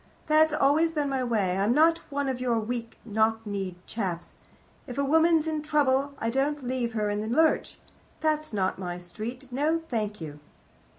That's always been my way. I'm not one of your weak knock kneed chaps. If a woman's in trouble, I don't leave her in the lurch. That's not my street. No, thank you.